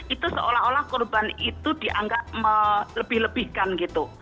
itu seolah olah korban itu dianggap melebih lebihkan gitu